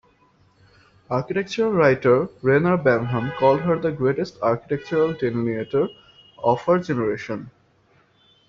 Architectural writer Reyner Banham called her the "greatest architectural delineator of her generation".